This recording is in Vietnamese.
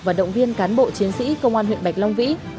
và động viên cán bộ chiến sĩ công an huyện bạch long vĩ